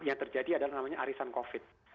yang terjadi adalah namanya arisan covid